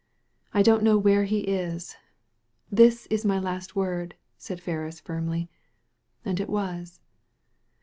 I don't know where he is. This is my last word," said Ferris, firmly. And it was.